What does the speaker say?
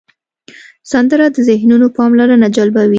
سندره د ذهنونو پاملرنه جلبوي